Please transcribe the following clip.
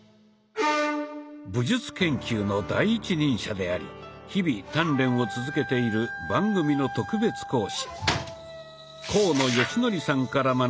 武術研究の第一人者であり日々鍛錬を続けている番組の特別講師